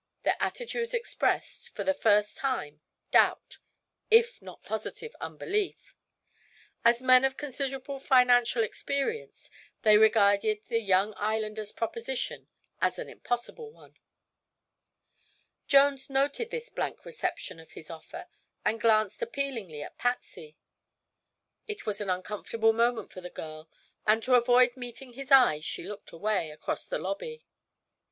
Their attitudes expressed, for the first time, doubt if not positive unbelief. As men of considerable financial experience, they regarded the young islander's proposition as an impossible one. Jones noted this blank reception of his offer and glanced appealingly at Patsy. It was an uncomfortable moment for the girl and to avoid meeting his eyes she looked away, across the lobby.